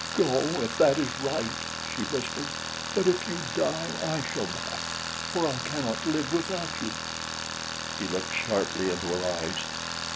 "Go, if that is right," she whispered; "but if you die, I shall die, for I cannot live without you." He looked sharply into her eyes.